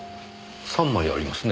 ３枚ありますね。